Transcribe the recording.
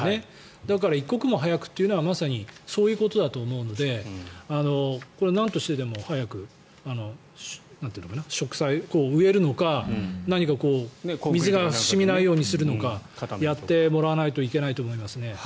だから、一刻も早くというのはまさにそういうことだと思うのでこれ、なんとしてでも早く植栽、何か植えるのか何か水が染みないようにするのかやってもらわないといけないと思いますね。